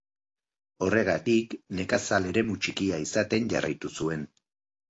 Horregatik nekazal eremu txikia izaten jarraitu zuen.